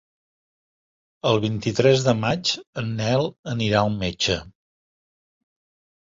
El vint-i-tres de maig en Nel anirà al metge.